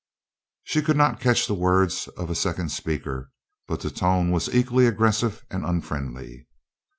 She could not catch the words of a second speaker, but the tone was equally aggressive and unfriendly.